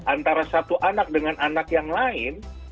antara satu anak dengan anak yang lain